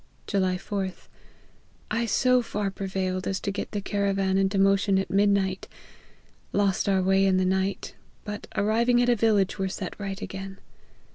" July 4th. T so far prevailed as to get the caravan into motion at midnight. Lost our way in the night, but arriving at a village were set right again.